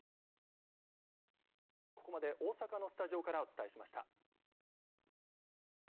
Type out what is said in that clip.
ここまで大阪のスタジオからお伝えしました。